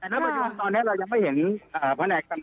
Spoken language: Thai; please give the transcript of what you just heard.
แต่ว่าที่โดยตอนนี้เรายังไม่เห็น